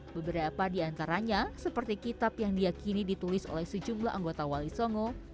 beberapa di antaranya seperti kitab yang diakini ditulis oleh sejumlah anggota wali songo